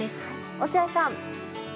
落合さん。